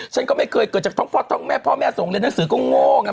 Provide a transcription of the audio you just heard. ฉันก็ไม่เคยเกิดจากท้องฟอสท้องแม่พ่อแม่ส่งเรียนหนังสือก็โง่ไง